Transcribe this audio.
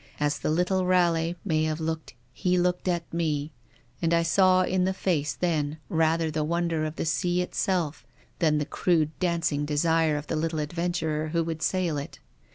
As the little Raleigh may have looked he looked at me, and I saw in the face then rather the wonder of the sea itself than the crude dancing desire of the little adventurer who would sail it.